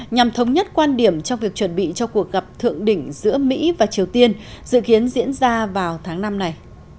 nhằm thống nhất quan điểm trong việc chuẩn bị cho cuộc gặp thượng đỉnh giữa mỹ và triều tiên dự kiến diễn ra vào tháng năm này